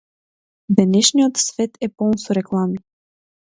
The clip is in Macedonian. Денешниот свет е полн со реклами.